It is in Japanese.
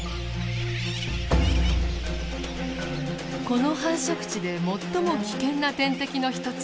この繁殖地で最も危険な天敵の一つ